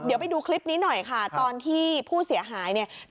เดี๋ยวไปดูคลิปนี้หน่อยค่ะตอนที่ผู้เสียหายเนี่ย